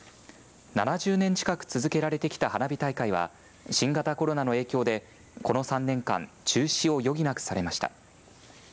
７０年近く続けられてきた花火大会は新型コロナの影響でこの３年間中止を余儀なくされました。